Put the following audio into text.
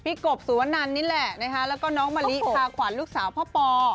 กบสุวนันนี่แหละนะคะแล้วก็น้องมะลิพาขวัญลูกสาวพ่อปอ